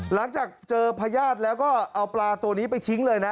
หลังจากเจอพญาติแล้วก็เอาปลาตัวนี้ไปทิ้งเลยนะ